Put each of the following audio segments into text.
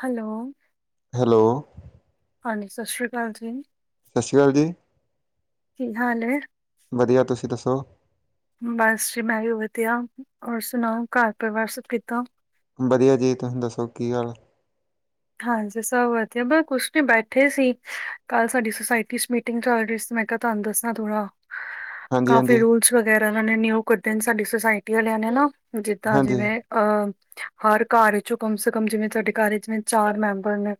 Hello. Hello. ਹਾਂਨੀ ਸਾਛਰੀ ਕਾਲ ਜੀ। ਸਸਰੀ ਕਾਲ ਜੀ। ਕੀ ਹਾਲ ਏ? ਵਧੀਆ ਤੁਸੀਂ ਦੱਸੋ? ਬਸ ਜੀ ਮੈਂ ਵੀ ਵਧੀਆ, ਔਰ ਸੁਨਾਓ ਘਰ ਪਰਿਵਾਰ ਸਭ ਕਿੱਦਾ। ਵਧੀਆ ਜੀ ਤੁਹ ਦੱਸੋ ਕੀ ਹਾਲ? ਹਾਂਜੀ ਸਭ ਵਧੀਆ ਬ ਕੁਛ ਨੀ ਬੈਠੇ ਸੀ ਕੱਲ ਸਾਡੀ ਸੋਸਾਇਟੀ ਮੀ ਇਨਸਾਡਿੰਗ ਮੈਂ ਕੇਆ ਤੁਆਨੂੰ ਦੱਸਾਂ ਥੋੜਾ ਕਾਫੀ ਹਾਂਜੀ-ਹਾਂਜੀ, ਰੂਲਸ ਵਗੈਰਾ ਨੇ ਨਿਊ ਕੱਡੇ ਨੇ ਸਾਡੀ ਸੁਸਾਇਟੀ ਵਾਲਿਆਂ ਨੇ ਨਾ, ਜਿੱਦਾਂ ਹਾਂਜੀ, ਜਿਵੇਂ ਆ ਹਰ ਘਰ ਚੋਂ ਕਮ ਸੇ ਕਮ ਜਿਵੇਂ ਸਾਡੇ ਘਰ ਵਿਚ ਨੇ ਚਾਰ ਮੈਂਬਰ ਨੇ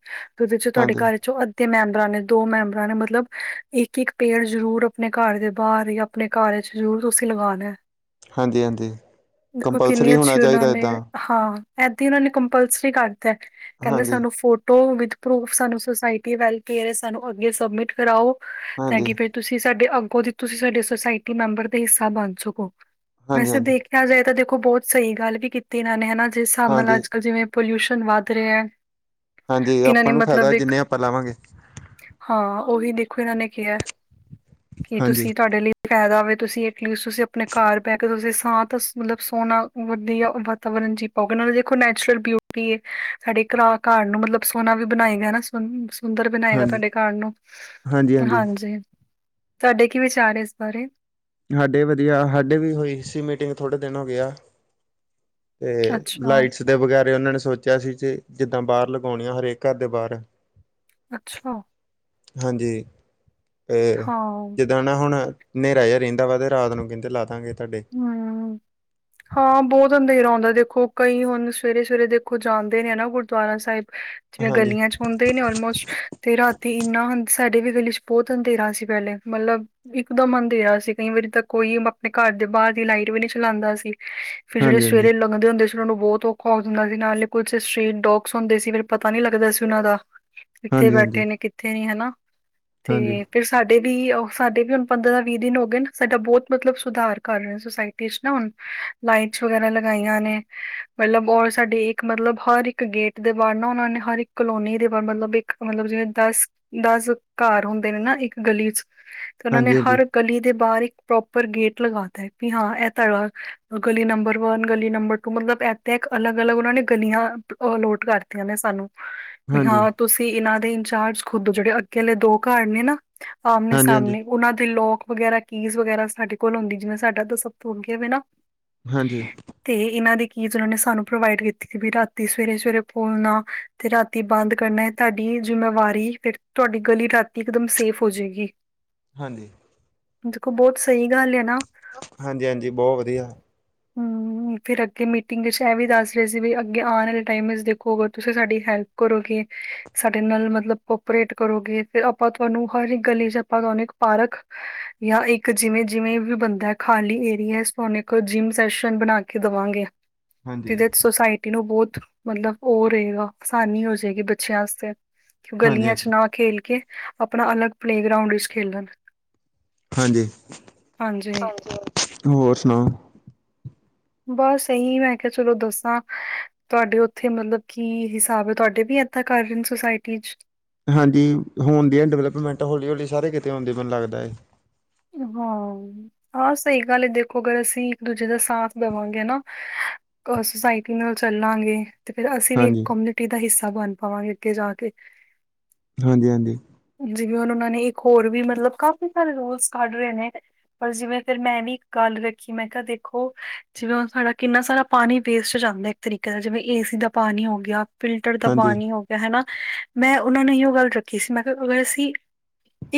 ਓਦੇ ਚੋਂ ਤੁਹਾਡੇ ਹਾਂਜੀ, ਘਰ ਚੋਂ ਅ ਤੇ ਮੈਂਬਰਾਂ ਨੇ ਦੋ ਮੈਂਬਰਾਂ ਨੇ ਮਤਲਬ ਇੱਕ-ਇੱਕ ਪੈਅਰ ਜਰੂਰ ਆਪਣੇ ਘਰ ਦੇ ਬਾਰ ਜਾਂ ਪਣੇ ਘਰ ਚ ਜ਼ਰੂਰ ਤੁਸੀਂ ਲਗਾਣਾ ਏ। ਹਾਂਜੀ-ਹਾਂਜੀ। ਦੇਖੋ ਕੰਪਲਸਰੀ ਕਿੰਨੀ ਹੋਣਾ ਅੱਛੀ ਓਨਾ ਚਾਹੀਦਾ ਨੇ ਏਦਾਂ, ਹਾਂ ਐਥੇ ਏਨਾਂ ਨੇ ਕੰਪਲਸਰੀ ਕਰਤੈ ਕੈਂਦੇ ਹਾਂਜੀ, ਸਾਨੂੰ ਫੋਟੋ ਵਿਦ ਪਰੂਫ ਸਾਨੂੰ ਸੋਸਾਇਟੀ ਵਲ ਕੇਅਰ ਏ ਸਾਨੂੰ ਅੱਗੇ ਸਾਮਿਟ ਕਰਾਓ ਤਾਂ ਹਾਂਜੀ, ਕੀ ਤੁਸੀਂ ਸਾਡੇ ਅੱਗੋ ਦੀ ਤੁਸੀਂ ਸਾਡੇ ਸੁੋਸਾਇਟੀ ਮੈਂਬਰ ਦਾ ਹਿੱਸਾ ਬਣ ਸਕੋ, ਵੈਸੇ ਹਾਂਜੀ-ਹਾਂਜੀ, ਹਾਂਜੀ। ਦੇਖ ਕਿਹਾ ਜਾਏ ਤਾਂ ਦੇਖੋ ਬਹੁਤ ਸਈ ਗੱਲ ਵੀ ਕੀਤੀ ਏਨਾਂ ਨੇ ਹਨਾ ਜਿਸ ਹਿਸਾਬ ਨਾਲ ਹਾਂਜੀ, ਅੱਜ ਕਲ ਜਿਵੇਂ ਪੋਲਿਊਸ਼ਨ ਵੱਧ ਰੇਐ। ਹਾਂਜੀ ਆਪਾਂ ਨੂੰ ਫੈਦਾ ਜਿੰਨੇ ਆਪਾਂ ਲਾਵਾਂਗੇ। ਹਾਂ ਓਹੀ ਦੇਖੋ ਏਨਾਂ ਨੇ ਕੇਆ, ਕੀ ਹਾਂਜੀ, ਤੁਸੀਂ ਤੁਹਾਡੇ ਲਈ ਪੈਦਾ ਹੋਵੇ ਤੁਸੀਂ ਐਟਲੀਸਟ ਤੁਸੀਂ ਆਪਣੇ ਘਰ ਬੈ ਕੇ ਤੁਸੀਂ ਸਾਅ ਤਾਂ ਮਤਲਬ ਸੋਣਾ ਵਧੀਆ ਵਾਤਾਵਰਨ ਜੀ ਦੇਖੋ ਨੈਚੁਰਲ ਬਿਊਟੀ ਏ ਸਾਡੇ ਘਰ ਨੂੰ ਮਤਲਬ ਸੋਨਾ ਵੀ ਬਣਾਏ ਗਾ ਨਾ ਸ ਸ ਦਰ ਬਣਾਏਗਾ ਹਾਂਜੀ। ਤੁਹਾਡੇ ਘਰ ਨੂੰ ਹਾਂਜੀ-ਹਾਂਜੀ, ਹਾਂਜੀ ਤੁਆਡੇ ਕੀ ਵਿਚਾਰ ਨੇ ਇਸ ਬਾਰੇ? ਹਾਡੇ ਵਧੀਆ ਹਾਡੇ ਵੀ ਹੋਈ ਸੀ ਮੀਟਿੰਗ ਥੋੜੇ ਦਿਨ ਹੋ ਗੇਆ। ਤੇ ਅੱਛਾ ਲਾਈਟਸ ਦੇ ਵਗੈਰੇ ਓਨਾਂ ਨੇ ਸੋਚਿਆ ਸੀ ਚੀ ਜਿੱਦਾਂ ਬਾਰ ਲਗਾਉਣੀਆਂ ਹਰੇਕ ਘਰ ਦੇ ਬਾਰ ਅੱਛਾ। ਹਾਂਜੀ, ਏ ਹਾਂ ਜਿੱਦਾਂ ਨਾ ਹੁਣ ਨੇਰਾ ਜਾ ਰੈਂ ਵ ਦਾ ਤੇ ਰਾਤ ਨੂੰ ਕੈਂਦੇ ਲਾਦਾਂ ਗੇ ਧਾਡੇ। ਹੂੰ। ਹਾਂ ਬਹੁਤ ਅੰਧੇਰਾ ਹੁੰਦਾ ਦੇਖੋ ਕਈ ਹੁਣ ਸਵੇਰੇ-ਸਵੇਰੇ ਦੇਖੋ ਜਾਂਦੇ ਨੇ ਨਾ ਗੁਰਦੁਆਰਾ ਸਾਹਿਬ ਚੇਵੇਂ ਹਾਂਜੀ, ਗਲੀਆਂ ਚ ਹੁੰ ਨੇ ਔਲਮੋਸਟ, ਤੇ ਰਾਤੀ ਏਨਾ ਸਾਡੇ ਵੀ ਗਲੀ ਚ ਬਹੁਤ ਅੰਧੇਰਾ ਸੀ ਪੈਲੇ ਮਤਲਬ [unintelligible] ਬਾਰ ਦੀ ਲਾਈਟ ਵੀ ਨੀ ਚਲਾਦਾ ਸੀ, ਫਿਰ ਜੈੜੇ ਹਾਂਜੀ-ਹਾਂਜੀ, ਸਵੇਰੇ ਲੰਘਦੇ ਹੁੰਦੇ ਸੀ ਓਨਾਂ ਨੂੰ ਬਹੁਤ ਔਖਾ ਹੋ ਹੁੰਦਾ ਸੀ ਨਾਲੇ ਕੁਛ ਸਟ੍ਰੀਟ ਡੋਗਸ ਹੁੰਦੇ ਸੀ ਫਿਰ ਪਤਾ ਨੀ ਲੱਗਦਾ ਸੀ ਓਨਾਂ ਦਾ। ਕਿੱਥੇ ਹਾਂਜੀ-ਹਾਂਜੀ, ਬੈਠੇ ਨੇ ਕਿੱਥੇ ਨੀ ਹਨਾ, ਹਾਂਜੀ, ਤੇ ਫਿਰ ਸਾਡੇ ਵੀ ਸਾਡੇ ਵੀ ਹੁਣ ਪੰਦਰਾਂ ਦਾ ਵੀ ਦਿਨ ਹੋ ਗਏ ਸਾਡਾ ਬੌਤ ਮਤਲਬ ਸੁਧਾਰ ਕਰ ਰਏ ਸੁਸਾਇਟੀ ਚ ਨਾ ਹੁਣ ਲਾਈਟਸ ਵਗੈਰਾ ਲਗਾਈਆਂ ਨੇ, ਮਤਲਬ ਔਰ ਸਾਡੇ ਮਤਲਬ ਹਰ ਇੱਕ ਗੇਟ ਦੇ ਬਾਰ ਨਾ ਓਨਾਂ ਨੇ ਹਰ ਇੱਕ ਕਲੋਨੀ ਦੇ ਬ ਮਤਲਬ ਇੱਕ ਮਤਲਬ ਜਿਵੇਂ ਦਸ ਦਸ ਘਰ ਹੁੰਦੇ ਨੇ ਨਾ ਇੱਕ ਗਲੀ ਚ ਤੇ ਓਨੇ ਹਾਂਜੀ-ਹਾਂਜੀ, ਹਰ ਗਲੀ ਦੇ ਬਾਰ ਇੱਕ ਪ੍ਰੋਪਰ ਗੇਟ ਲਗਾ ਵੀ ਹਾਂ ਭੀ ਆ ਤਾ ਗਲੀ ਨੰਬਰ ਵਨ ਗਲੀ ਨੰਬਰ ਟੂ ਮਤਲਬ ਇ ਤਾਂ ਇੱਕ ਅਲੱਗ-ਅਲੱਗ ਓਨਾਂ ਨੇ ਗਲੀਆਂ ਆ ਨੋਟ ਕਰਤੀਆਂ ਨੇ ਸਾਨੂੰ। ਵੀ ਹਾਂਜੀ, ਹਾਂ ਤੁਸੀਂ ਏਨਾਂ ਦੇ ਇੰਚਾਰਜ ਖੁਦੋ ਜੇੜੇ ਅੱਗੇ ਵਾਲੇ ਦੋ ਘਰ ਨੇ ਨਾ ਹਾਂਜੀ-ਹਾਂਜੀ, ਆਮਣੇ-ਸਾਮਣੇ ਓਨਾਂ ਦੇ ਲੋਕ ਵਗੈਰਾ ਕੀਜ਼ ਵਗੈਰਾ ਸਾਡੇ ਕੋਲ ਹੁੰਦੀ ਜਿਵੇਂ ਸਾਡਾ ਤਾਂ ਸਭ ਤਣ ਗਿਆਵੇ ਨਾ [unintelligible] ਹਾਂਜੀ ਤੇ ਇਹਨਾਂ ਦੀ ਕੀਜ਼ ਉਹਨਾਂ ਨੇ ਸਾਨੂੰ ਪ੍ਰੋਵਾਈਡ ਕੀਤੀ ਵੀ ਰਾਤੀ ਸਵੇਰੇ ਸਵੇਰੇ ਖੋਲਨਾ ਤੇ ਰਾਤੀ ਬੰਦ ਕਰਨਾ ਹੈ ਤਾਡੀ ਜਿੰਮੇਵਾਰੀ ਫੇਰ ਤੁਹਾਡੀ ਗਲੀ ਰਾਤੀ ਇਕ ਦਮ ਸੇਫ ਹੋ ਜਾਏਗੀ। [inaudible] [inaudible] ਹਾਂਜੀ ਦੇਖੋ ਬਹੁਤ ਸਹੀ ਗੱਲ ਹੈ ਨਾ ਹਾਂਜੀ ਹਾਂਜੀ ਬੋਹ ਵਧੀਆ ਹੁ ਫਿਰ ਅੱਗੇ ਮੀਟਿੰਗ ਇਚ ਇਹ ਵੀ ਦੱਸ ਰਹੇ ਸੀ ਵੀ ਅੱਗੇ ਆਣ ਵਾਲੇ ਟਾਈਮ ਵਿੱਚ ਦੇਖੋ ਅਗਰ ਤੁਸੀਂ ਸਾਡੀ ਹੈਲਪ ਕਰੋਗੇ ਸਾਡੇ ਨਾਲ ਮਤਲਬ ਕੋਪਰੇਟ ਕਰੋਗੇ ਫੇਰ ਆਪਾਂ ਤੁਹਾਨੂੰ ਹਰ ਇੱਕ ਗਲ ਇਚ ਆਪਾਂ ਤੁਹਾਨੂੰ ਪਾਰਕ ਜਾਂ ਇੱਕ ਜਿਵੇਂ ਜਿਵੇਂ ਵੀ ਬੰ ਖਾਲੀ ਏਰੀਏ ਚ ਤੁਹਾਨ ਇੱਕ ਜਿੰਮ ਸੈਸ਼ਨ ਬਨਾ ਕੇ ਦਵਾਂਗੇ ਹਾਂਜੀ, ਜਿਹਦੇ ਸੋਸਾਇਟੀ ਨੂੰ ਬੋਤ ਮਤਲਬ ਉਹ ਰਹੇਗਾ ਅਸਾਨੀ ਹੋ ਜਾਏਗੀ ਬਚਿਆ ਆਸਤੇ ਗਲੀਆਂ 'ਚ ਹਾਂਜੀ-ਹਾਂਜੀ, ਨਾ ਖੇਲ ਕੇ ਅਪਣਾ ਅਲੱਗ ਪਲੇਗਰਾਊਂਡ ਇਚ ਖੇਲਨ ਹਾਂਜੀ ਹੋਰ ਸੁਨਾਓ ਬਸ ਇਹੀ ਮੈਂ ਕਿਹਾ ਚਲੋ ਦੱਸਾਂ ਤੁਹਾਡੇ ਉੱਥੇ ਮਲਬ ਕੀ ਹਿਸਾਬ ਹੈ ਤੁਹਾਡੇ ਵੀ ਏਦਾਂ ਕਰ ਰਹੇ ਨੇ ਸੁਸਾਇਟੀ ਚ ਹਾਂਜੀ ਹੋਨ ਦੀ ਹੈ ਡਿਵੈਲਪਮੈਂਟ ਹੌਲੀ ਹੌਲੀ ਸਾਰੇ ਕਿਤੇ ਹੋਣ ਦੀ ਮੈਨੂੰ ਲਾਗਦਾ ਏ ਹਾਂ ਹਾਂ ਸਹੀ ਗੱਲ ਹੈ ਦੇਖੋ ਅਗਰ ਅਸੀਂ ਇੱਕ ਦੂਜੇ ਦਾ ਸਾਥ ਦਵਾਂਗੇ ਨਾ ਅ ਸੁਸਾਇਟੀ ਨਾਲ ਚੱਲਾਂਗੇ ਫੇਰ ਅਸੀਂ ਵੀ ਇੱਕ ਹਾਂਜੀ, ਕਮਿਊਨਿਟੀ ਦਾ ਹਿੱਸਾ ਬਨ ਪਾਵਾਂਗੇ ਅੱਗੇ ਜਾ ਕੇ ਹਾਂਜੀ ਹਾਂਜੀ ਜਿਵੇਂ ਹੁਨ ਉਹਨਾਂ ਨੇ ਇੱਕ ਹੋਰ ਵੀ ਮਤਲਬ ਕਾਫੀ ਸਾਰੇ ਰੁਲਸ ਕੱਢ ਰਹੇ ਨੇ ਪਰ ਜਿਵੇਂ ਫੇਰ ਮੈਂ ਨੀ ਇੱਕ ਗੱਲ ਰੱਖੀ ਮੈਂ ਕਿਹਾ ਦੇਖੋ ਜਿਵੇਂ ਹੁਨ ਸਾਡਾ ਕਿੰਨਾ ਸਾਰਾ ਪਾਨੀ ਵੇਸਟ ਜਾਂਦਾ ਇੱਕ ਤਰੀਕੇ ਦਾ ਜਿਵੇਂ ਏਸੀ ਦਾ ਪਾਨੀ ਹੋ ਗਿਆ ਫਿਲਟਰ ਦਾ ਹਾਂਜੀ, ਹਾਂਜੀ, ਪਾਨੀ ਹੋ ਗਿਆ ਹੈਨਾ ਮੈਂ ਉਹਨਾਂ ਨੂੰ ਇਹੋ ਗੱਲ ਰੱਖੀ ਸੀ ਮੈਂ ਕਿਹਾ ਅਗਰ ਅਸੀਂ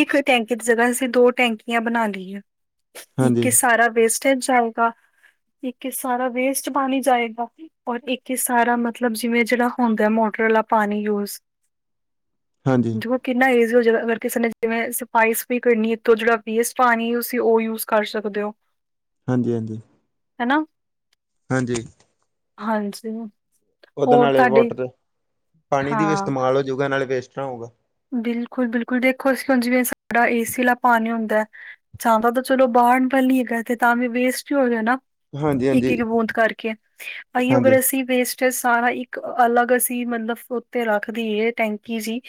ਇੱਕ ਟੈਂਕੀ ਦੀ ਜਗ੍ਹਾ ਅਸੀਂ ਦੋ ਟੈਂਕੀਆਂ ਬਨਾ ਲਈਏ ਇੱਕ ਹਾਂਜੀ, ਇਚ ਸਾਰਾ ਵੇਸਟ ਜਾਏਗਾ ਇੱਕ ਇਚ ਸਾਰਾ ਵੇਸਟ ਪਾਨੀ ਜਾਏਗਾ ਔਰ ਇੱਕ ਇਚ ਸਾਰਾ ਮਤਲਬ ਜਿਵੇਂ ਜਿਹੜਾ ਹੁੰਦਾ ਮੋਟਰ ਵਾਲਾ ਪਾਨੀ ਯੂਜ਼ ਦੇਖੋ ਕਿੰਨਾ ਈਜ਼ੀ ਹੋ ਜੇਗਾ ਅਗਰ ਕਿਸੇ ਨੇ ਜਿਵੇਂ ਸਫਾਈ ਸਫੁਈ ਕਰਨੀ ਇਥੋਂ ਜਿਹੜਾ ਪਾਨੀ ਤੁਸੀਂ ਉਹ ਯੂਜ ਕਰ ਸਕਦੇ ੳ ਹਾਂਜੀ ਹਾਂਜੀ ਹੈਨਾ ਹਾਂਜੀ ਹਾਂਜੀ ਉਹਦੇ ਹੋਰ ਨਾਲੇ ਤੁਹਾਡੇ ਵਾਟਰ ਪਾਣੀ ਦੀ ਵੀ ਇਸਤੇਮਾਲ ਹੋਜੂਗਾ ਨਾਲੇ ਵੇਸਟ ਨਾ ਹੋਊਗਾ ਬਿਲਕੁਲ ਬਿਲਕੁਲ ਦੇਖੋ ਅਸੀਂ ਹੁਨ ਜਿਵੇਂ ਸਾਡਾ ਏ ਸੀ ਆਲਾ ਪਾਨੀ ਹੁੰਦਾ ਜਾਂਦਾ ਤਾਂ ਚਲੋ ਬਾਹਰ ਵਲ ਈ ਹੇਗਾ ਤਾਂ ਵੀ ਵੇਸਟ ਹੀ ਹੋ ਗਿਆ ਨਾ। ਇੱਕ ਹਾਂਜੀ-ਹਾਂਜੀ, ਇੱਕ ਬੂੰਦ ਕਰਕੇ ਅਈੳ ਹਾਂਜੀ, ਹਾਂਜੀ, ਅਗਰ ਅਸੀਂ ਵੇਸ ਤੇ ਸਾਰਾ ਇੱਕ ਅਲੱਗ ਅਸੀਂ ਮਲਬ ਉੱਤੇ ਰੱਖ ਦੀ ਏ ਟੈਂਕੀ ਜੀ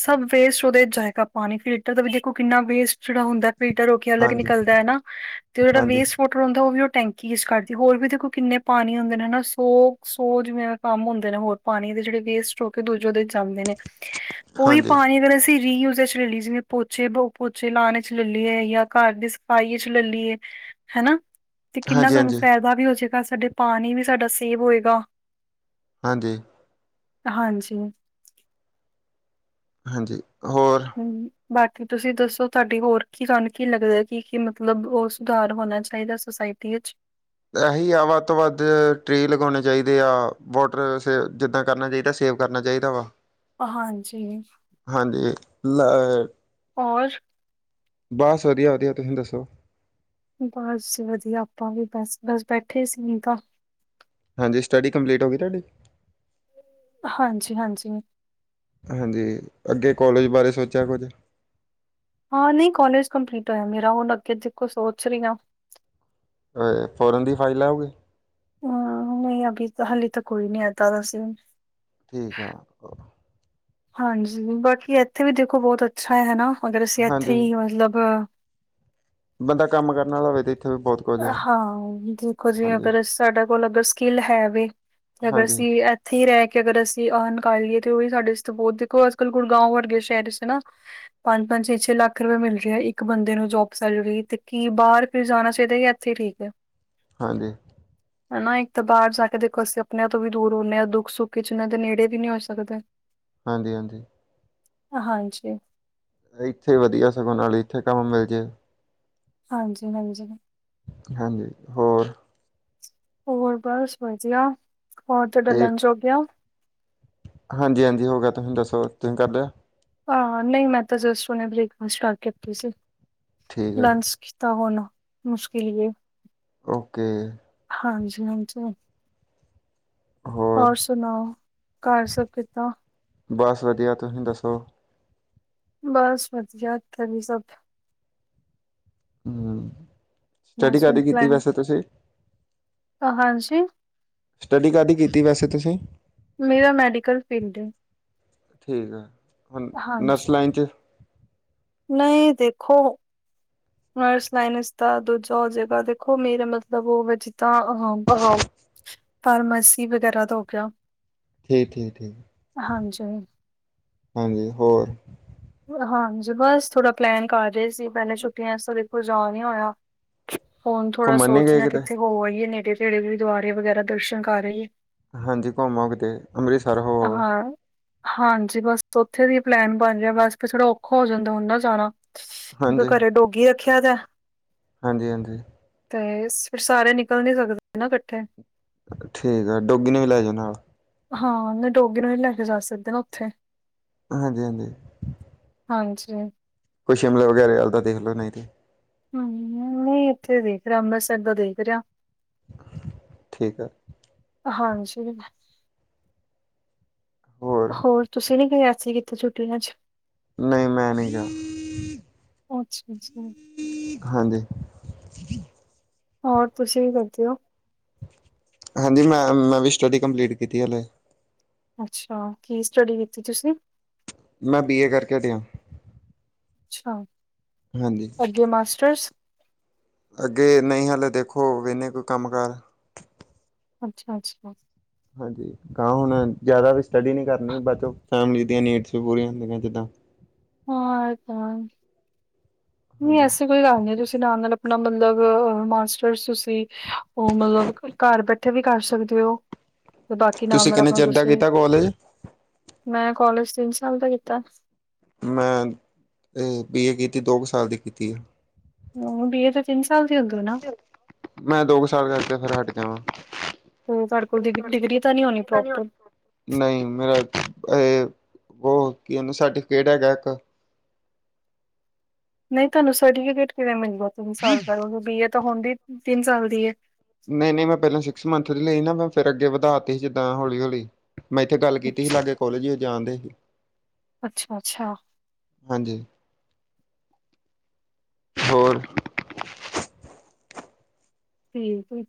ਸਭ ਵੇਸਟ ਉਹਦੇ ਜਾਏਗਾ ਪਾਨੀ ਫਿਲਟਰ ਦਾ ਵੀ ਦੇਖੋ ਕਿੰਨਾ ਵੇਸਟ ਜਿਹੜਾ ਹੁੰਦਾ ਫਿਲਟਰ ਹੋ ਕੇ ਅਲੱਗ ਹਾਂਜੀ, ਨਿਕਲਦਾ ਏ ਨਾ ਤੇ ਉਹ ਜਿਹੜਾ ਹਾਂਜੀ, ਵੇਸਟ ਵਾ ਹੁੰਦਾ ਉਹ ਵੀ ਉਹ ਟੈਂਕੀ ਸ ਕੱਢਦੀ ਹੋਰ ਵੀ ਦੇਖੋ ਕਿੰਨੇ ਪਾਨੀ ਹੁੰਦੇ ਨੇ ਨਾ ਸੌ ਸੌ ਜਿਵੇਂ ਕੰਮ ਹੁੰਦੇ ਨੇ ਹੋਰ ਪਾਣੀ ਦੇ ਜਿਹੜੇ ਵੇਸਟ ਹੋ ਕੇ ਦੂਜੇ ਉਦੇ ਚ ਜਾਂਦੇ ਨੇ ਉਹੀ ਹਾਂਜੀ, ਪਾਣੀ ਅਗਰ ਅਸੀਂ ਰੀਯੂਜ ਇਚ ਲਲੀਏ ਜਿਵੇਂ ਪੋਚੇ ਦੋ ਪੋਚੇ ਲਾਨ ਇਚ ਲਲੀਏ ਯਾ ਘਰ ਦੀ ਸਫਾਈ ਇਚ ਲਲੀਏ ਹੈਨਾ ਤੇ ਕਿੰਨਾ ਸਾਨੂੰ ਹਾਂਜੀ, ਹਾਂਜੀ, ਫੈਦਾ ਵੀ ਹੋ ਜਾਏਗਾ ਸਾਡੇ ਪਾਨੀ ਵੀ ਸਾਡਾ ਸੇਵ ਹੋਏਗਾ ਹਾਂਜੀ ਹਾਂਜੀ। ਹਾਂਜੀ, ਹੋਰ? ਹੂੰ, ਬਾਕੀ ਤੁਸੀਂ ਦੱਸੋ, ਤੁਹਾਡੀ ਹੋਰ ਕੀ ਤੁਹਾਨੂੰ ਕੀ ਲੱਗਦਾ, ਕੀ-ਕੀ ਮਤਲਬ ਉਹ ਸੁਧਾਰ ਹੋਣਾ ਚਾਹੀਦਾ? ਸੁੋਸਾਇਟੀ ਇੱਚ ਐਹੀ ਆ ਵੱਧ ਤੋਂ ਵੱਧ ਟ੍ਰੀ ਲਗਾਉਣੇ ਚਾਹੀਦੇ ਆ, ਵੋਟਰ ਸੇ ਜਿੱਦਾਂ ਕਰਨਾ ਚਾਈਦਾ ਸੇਵ। ਕਰਨਾ ਚਾਈਦਾ ਵਾ। ਹਾਂਜੀ। ਹਾਂਜੀ, ਲ ਔਰ? ਬਸ ਵਧੀਆ-ਵਧੀਆ ਤੁਹੀਂ ਦੱਸੋ? ਬਸ ਵਧੀਆ ਆਪਾਂ ਵੀ ਬਸ, ਬਸ ਬੈਠੇ ਸੀ [unintelligible] ਹਾਂਜੀ ਸਟੱਡੀ ਕੰਪਲੀਟ ਹੋ ਗਈ ਤੁਹਾਡੀ? ਹਾਂਜੀ-ਹਾਂਜੀ। ਹਾਂਜੀ, ਅੱਗੇ ਕੋਲਜ ਬਾਰੇ ਸੋਚਿਆ ਕੁਝ? ਹਾਂ, ਨਹੀਂ ਕੋਲਜ ਕੰਪਲੀਟ ਹੋਇਆ ਮੇਰਾ, ਹੁਣ ਅੱਗੇ ਦੇਖੋ ਸੋਚ ਰਹੀ ਹਾਂ। ਅ ਫੋਰਨ ਦੀ ਫਾਈਲ ਲਾਓਗੇ? ਹਹ, ਨਹੀਂ ਅਭੀ ਤਾਂ ਹਾਲੇ ਤ ਕੋਈ ਨੀ ਏਦਾਂ ਦਾ ਸੀਨ। ਠੀਕ ਆ ਓ ਹਾਂਜੀ, ਬਾਕੀ ਐਥੇ ਵੀ ਦੇਖੋ ਬਹੋਤ ਅੱਛਾ ਹੈ ਹੈਨਾ? ਅਗਰ ਅਸੀਂ ਐਥੇ ਹਾਂਜੀ ਹੀ ਮਤਲਬ ਬੰਦਾ ਕੰਮ ਕਰਨ ਆਲਾ ਹੋਵੇ, ਤੇ ਏਥੇ ਵੀ ਬਹੁਤ ਕੁਝ ਆ ਹਾਂ, ਦੇਖੋ ਜੀ ਹਾਂਜੀ ਅਗਰ ਸਾਡਾ ਕੋਲ ਅਗਰ ਸਕਿੱਲ ਹੈ ਵੇ, ਅਗਰ ਹਾਂਜੀ ਅਸੀਂ ਏ ਇੱਥੇ ਈ ਰੇਹ ਕੇ ਅਗਰ ਅਸੀਂ ਅਰਨ ਕਰ ਲਈਏ ਤੇ ਉਹ ਵੀ ਸਾਡੇ ਬਹੁਤ, ਦੇਖੋ ਅੱਜ ਕੱਲ੍ਹ ਗੁੜਗਾਂਵ ਵਰਗੇ ਸ਼ਹਿਰ ਇੱਚ ਤੇ ਨਾ ਪੰਜ-ਪੰਜ, ਛੇ-ਛੇ ਲੱਖ ਰੁਪੇਆ ਮਿਲ ਰੇਆ ਹੈ, ਇੱਕ ਬੰਦੇ ਨੂੰ ਜੋਬ ਸੈਲਰੀ, ਤੇ ਕੀ ਬਾਹਰ ਫੇਰ ਜਾਣਾ ਦੇ ਦੇਣ ਐਥੇ ਈ ਠੀਕ ਐ। ਹਾਂਜੀ। [inaudible] ਹਨਾ, ਇੱਕ ਤਾਂ ਬਾਹਰ ਜਾ ਕੇ ਦੇਖੋ ਅਸੀਂ ਆਪਣੇਆਂ ਤੋਂ ਵੀ ਦੂਰ ਹੁੰਨੇ ਆ, ਦੁੱਖ ਸੁੱਖ ਚ ਉਹਨਾਂ ਦੇ ਨੇੜੇ ਵੀ ਨੀ ਹੋ ਸਕਦੇ। [inaudible] ਹਾਂਜੀ-ਹਾਂਜੀ। ਹਾਂਜੀ। ਏਥੇ ਵਧੀਆ, ਸਗੋਂ ਨਾਲੇ ਏਥੇ ਕੰਮ ਮਿਲ ਜੇ। ਹਾਂਜੀ-ਹਾਂਜੀ। ਹਾਂਜੀ, ਹੋਰ? ਹੋਰ ਬਸ ਵਧੀਆ, ਹੋਰ ਤੁਹਾਡਾ ਲੰਚ ਹੋ ਗਿਆ? ਹਾਂਜੀ-ਹਾਂਜੀ ਹੋ ਗਿਆ, ਤੁਹੀਂ ਦੱਸੋ, ਤੁਹੀਂ ਕਰ ਲਿਆ? ਆ ਨਈ, ਮੈਂ ਤਾਂ ਜਸਟ ਹੁਣੇ ਬ੍ਰੇਕਫਾਸਟ ਕਰਕੇ ਹਟੀ ਸੀ। ਠੀਕ ਹੈ ਜੀ ਲੰਚ ਕੀਤਾ ਹੁਣ, ਮੁਸ਼ਕਿਲ ਈ ਏ। ਓਕੇ। ਹਾਂਜੀ-ਹਾਂਜੀ। ਹੋਰ ਸੁਣਾਓ? ਕਾਰ ਸਭ ਕਿੱਦਾਂ? ਬਸ ਵਧੀਆ, ਤੁਹੀਂ ਦੱਸੋ? ਬਸ ਵਧੀਆ ਏਥੇ ਵੀ ਸਭ। ਹੂੰ, ਮੈਂ ਸਟੱਡੀ ਸੁਣ ਕਾਦੀ ਕੀਤੀ ਵੈਸੇ ਤੁਸੀਂ? ਹ ਹਾਂਜੀ? ਸਟੱਡੀ ਕਾਦੀ ਕੀਤੀ ਵੈਸੇ ਤੁਸੀਂ? ਮੇਰਾ ਮੈਡੀਕਲ ਫਿੰਡ ਏ। ਠੀਕ ਹੈ, ਹੁਣ ਨਰਸ ਲਾਈਨ ਚ ਨਈ ਦੇਖੋ ਨਰਸ ਲਾਈਨ ਇੱਚ ਤਾਂ ਦੂਜਾ ਹੋ ਜੇਗਾ, ਦੇਖੋ ਮੇਰਾ ਮਤਲਬ ਉਹਵੇ ਜਿੱਦਾਂ ਅ ਹਮ ਫਾਰਮਾਸੀ ਵਗੈਰਾ ਦਾ ਹੋ ਗਿਆ। ਠੀਕ ਠੀਕ ਠੀਕ, ਹਾਂਜੀ ਹਾਂਜੀ ਹੋਰ ਹਾਂਜੀ ਬਸ ਥੋੜ੍ਹਾ ਪਲੈਨ ਕਰ ਰਹੇ ਸੀ, ਪਹਿਲਾਂ ਛੁੱਟੀਆਂ 'ਚ ਦੇਖੋ ਜਾ ਨੀ ਹੋਇਆ। ਹੁਣ ਥੋੜਾ ਘੁੰਮਣ ਨੀ ਸੋਚ ਗਏ ਰਹੇ ਕਿਤੇ ਕਿੱਥੇ ਹੋ ਆਈਏ ਨੇੜੇ ਤੇੜੇ ਗੁਰਦੁਆਰੇ ਵਗੈਰਾ ਦਰਸ਼ਨ ਕਰ ਆਇਐ। ਹਾਂਜੀ ਘੁੰਮੋ ਕਿਤੇ ਏ, ਅੰਮ੍ਰਿਤਸਰ ਹੋ ਆਯੋ। ਹਾਂ, ਹਾਂਜੀ ਬਸ, ਉੱਥੇ ਦੀ ਪਲੈਨ ਬਣ ਰਿਹਾ ਬਸ ਕਿਸੇ ਵੇਲੇ ਔਖਾ ਹੋ ਜਾਂਦਾ ਹੁਣ ਨਾ ਜਾਣਾ। ਹਾਂਜੀ ਘਰੇ ਡੋਗੀ ਰੱਖਿਆ ਤਾਂ, ਹਾਂਜੀ, ਹਾਂਜੀ ਤੇ, ਫਿਰ ਸਾਰੇ ਨਿਕਲ ਨੀ ਸਕਦੇ ਨਾ ਇਕੱਠੇ ਠੀਕ ਆ ਡੋਗੀ ਨੇ ਵੀ ਲੈ ਜਾਓ ਨਾਲ ਹਾਂ ਡੋਗੀ ਨੂੰ ਹੀ ਨਹੀ ਲੈ ਕੇ ਜਾ ਸਕਦੇ ਨਾ ਉੱਥੇ ਹਾਂਜੀ ਹਾਂਜੀ। ਹਾਂਜੀ ਕੋਈ ਸ਼ਿਮਲਾ ਵਗੈਰਾ ਵਲ ਦਾ ਦੇਖ ਲਓ ਨਹੀਂ ਤਾਂ ਹਮ, ਨਹੀਂ ਇੱਥੇ ਦੇਖ ਰਿਹਾ ਅੰਮ੍ਰਿਤਸਰ ਦਾ ਦੇਖ ਰਿਹਾ ਠੀਕ ਹੈ। ਹਾਂਜੀ ਮੈਂ ਹੋਰ ਤੁਸੀਂ ਨੀ ਗਏ ਐਤਕੀ ਕਿੱਥੇ ਛੁੱਟੀਆਂ 'ਚ ਨਹੀਂ ਮੈਂ ਨਹੀਂ ਗਿਆ। ਅੱਛਾ, ਅੱਛਾ। ਹਾਂਜੀ। ਹੋਰ ਤੁਸੀਂ ਕੀ ਕਰਦੇ ਹੋ? ਹਾਂਜੀ ਮੈਂਮ, ਮੈਂ ਵੀ ਸਟੱਡੀ ਕੰਪਲੀਟ ਕੀਤੀ ਹਲੇ। ਅੱਛਾ ਕੀ ਸਟਡੀ ਕੀਤੀ ਤੁਸੀਂ? ਮੈਂ ਬੀ ਏ ਕਰਕੇ ਹਟਿਆ। ਅਛਾ, ਹਾਂਜੀ ਅੱਗੇ ਮਾਸਟਰਸ? ਅੱਗੇ ਨਹੀਂ ਹਲੇ ਦੇਖੋ, ਵੇਨੇ ਕੋਈ ਕੰਮ ਕਾਰ ਅੱਛਾ, ਅੱਛਾ। ਹਾਂਜੀ ਹੁਣ ਜ਼ਿਆਦਾ ਵੀ ਸਟੱਡੀ ਨਹੀਂ ਕਰਨੀ, ਬਾਅਦ 'ਚੋ ਫੈਮਿਲੀ ਦੀਆਂ ਨੀਡਸ ਵੀ ਪੂਰੀਆਂ ਹੁੰਦੀਆਂ ਜਿੱਦਾਂ ਹਾਂ ਆ ਤੇ ਹੈ। ਨਹੀਂ ਹਾਂਜੀ ਐਸੀ ਕੋਈ ਗੱਲ ਨਹੀਂ ਤੁਸੀਂ ਨਾਲ, ਨਾਲ ਆਪਣਾ ਮਤਲਬ ਮਾਸਟਰਸ ਤੁਸੀਂ ਉਹ ਮਤਲਬ ਘਰ ਬੈਠੇ ਵੀ ਕਰ ਸਕਦੇ ਹੋ। ਤੇ ਬਾਕੀ ਨਾਲ- ਤੁਸੀਂ ਨਾਲ ਕਿੰਨੇ ਆਪਣਾ ਚਿਰ ਦਾ ਤੂਸੀਂ ਕੀਤਾ ਕੋਲਜ ਮੈਂ ਕਾਲਜ ਤਿੰਨ ਸਾਲ ਦਾ ਕੀਤਾ। ਮੈਂ ਇਹ ਬੀ ਏ ਕੀਤੀ ਦੋ ਕੁ ਸਾਲ ਦੀ ਕੀਤੀ ਹੈ। ਹ ਬੀ ਏ ਤਾਂ ਤਿੰਨ ਸਾਲ ਦੀ ਹੁੰਦੀ ਨਾ! ਮੈਂ ਦੋ ਕੁ ਸਾਲ ਕਰਕੇ ਫੇਿਰ ਹਟ ਗਿਆ ਵਾ- ਉਹ ਤਾਡੇ ਕੋਲ ਡਿਗਰੀ ਤਾਂ ਨਹੀਂ ਹੋਉਣੀ ਪ੍ਰੋਪਰ। ਨਹੀਂ ਮੇਰਾ ਇਹ ਬ ਕੀ ਇਹਨ ਸਰਟੀਫਿਕੇਟ ਹੈਗਾ ਇੱਕ। ਨਹੀਂ ਤੁਹਾਨੂੰ ਸਰਟੀਫਿਕੇਟ ਕਿਵੇਂ ਮਿਲ ਗਿਆ ਤਿੰਨ ਸਾਲ ਦਾ, ਕਿਉਂਕੀ ਬੀਏ ਤਾਂ ਹੁਣ ਦੀ ਤਿੰਨ ਸਾਲ ਦੀ। ਨਹੀਂ ਨਹੀਂ ਮੈਂ ਪਹਿਲਾਂ ਸਿਕਸ ਮੰਥ ਦੀ ਲਈ ਨਾ ਮੈਂ ਫਿਰ ਅੱਗੇ ਵਧਾ ਤ ਸੀ, ਜਿੱਦਾਂ ਹੌਲੀ ਹੌਲੀ ਮੈਂ ਇੱਥੇ ਗੱਲ ਕੀਤੀ ਸੀ ਲਾਗੇ ਕੋਲੇਜ ਉਹ ਜਾਣਦੇ ਸੀ। ਅੱਛਾ, ਅੱਛਾ। ਹਾਂਜੀ, ਹੋਰ। ਠੀਕ ਏ।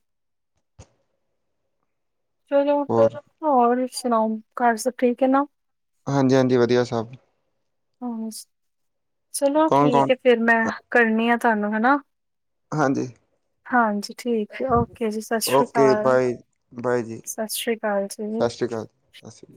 ਚਲੋ ਹੋਰ ਹੋਰ ਸੁਣਾਓ, ਘਰ ਸਭ ਠੀਕ ਹੈ ਨਾ? ਹਾਂਜੀ ਹਾਂਜੀ ਵਧੀਆ ਸਬ- ਹਮ ਚਲੋ ਕੌਣ ਠੀਕ ਕੌਣ ਹੈ, ਫਿਰ ਮੈਂ ਕਰਨੀ ਆ ਤੁਹਾਨੂੰ ਹਨਾ। ਹਾਂਜੀ। ਹਾਂਜੀ ਠੀਕ ਹੈ ਓਕੇ ਜੀ, ਸਤਿ ਸ਼੍ਰੀ ਓਕੇ ਅਕਾਲ- ਬਾਏ ਬਾਏ ਜੀ ਸਤਿ ਸ਼੍ਰੀ ਅਕਾਲ ਜੀ। ਅੱਛਾ